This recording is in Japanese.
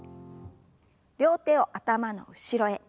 両手を頭の後ろへ。